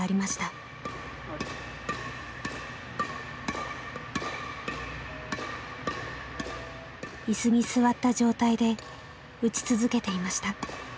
椅子に座った状態で打ち続けていました。